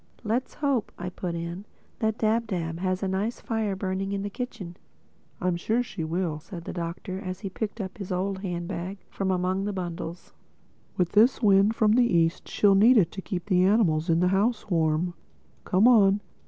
"Let's hope," I put in, "that Dab Dab has a nice fire burning in the kitchen." "I'm sure she will," said the Doctor as he picked out his old handbag from among the bundles—"With this wind from the East she'll need it to keep the animals in the house warm. Come on.